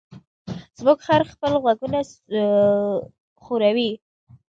زموږ خر خپل غوږونه ښوروي.